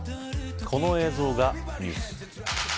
この映像がニュース。